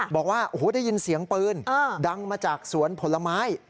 บอกว่าโอ้โหได้ยินเสียงปืนดังมาจากสวนผลไม้